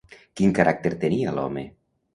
Quin caràcter tenia l'home?